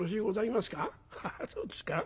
ハハそうですか。